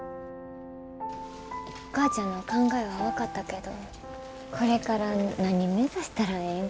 お母ちゃんの考えは分かったけどこれから何目指したらええんか。